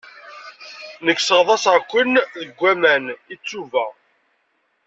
Nekk sseɣḍaṣeɣ-ken deg waman, i ttuba.